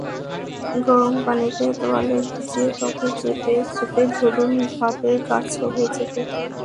গরম পানিতে তোয়ালে ভিজিয়ে ত্বকে চেপে চেপে ধরুন, ভাপের কাজ হয়ে যাবে।